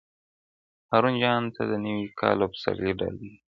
هارون جان ته د نوي کال او پسرلي ډالۍ:!!